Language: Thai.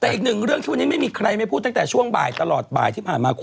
แต่อีกหนึ่งเรื่องที่วันนี้ไม่มีใครไม่พูดตั้งแต่ช่วงบ่ายตลอดบ่ายที่ผ่านมาคุณ